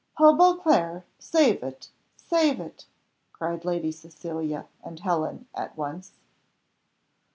"Oh, Beauclerc, save it, save it!" cried Lady Cecilia and Helen at once.